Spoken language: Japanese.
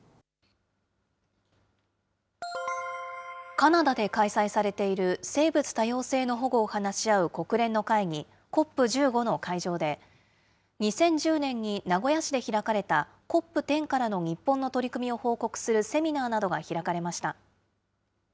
カナダで開催されている生物多様性の保護を話し合う国連の会議、ＣＯＰ１５の会場で、２０１０年に名古屋市で開かれたＣＯＰ１０からの日本の取り組みを報告するセミナーなどが開かれました。